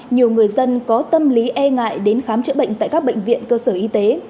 nhiều người dân có tâm lý e ngại đến khám chữa bệnh tại các bệnh viện cơ sở y tế